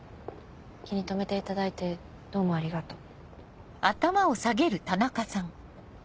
気に留めていただいてどうもありがとう。